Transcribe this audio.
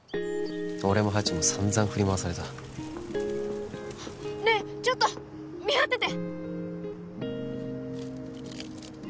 俺もハチも散々振り回されたねえちょっと見張ってて